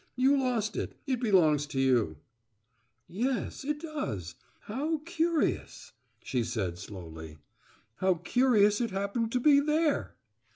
You lost it. It belongs to you." "Yes it does. How curious!" she said slowly. "How curious it happened to be there!"